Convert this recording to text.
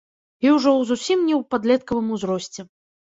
І ўжо ў зусім не ў падлеткавым узросце.